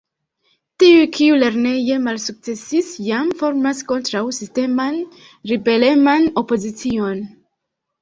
Tiuj, kiuj lerneje malsukcesis, jam formas kontraŭ-sisteman, ribeleman opozicion.